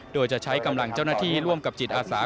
โดยจะใช้กำลังเจ้าหน้าที่ร่วมกับจิตอาสา